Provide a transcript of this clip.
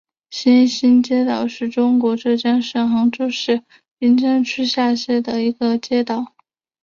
西兴街道是中国浙江省杭州市滨江区下辖的一个街道。